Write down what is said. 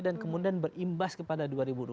dan kemudian berimbas kepada dua ribu dua puluh empat